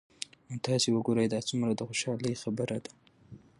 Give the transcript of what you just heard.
نو تاسي وګورئ دا څومره د خوشحالۍ خبره ده